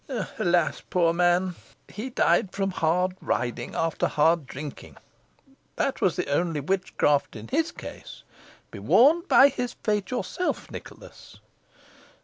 "Alas, poor man! he died from hard riding, after hard drinking. That was the only witchcraft in his case. Be warned by his fate yourself, Nicholas."